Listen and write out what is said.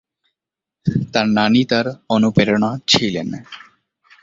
তার নানী তার অনুপ্রেরণা ছিলেন।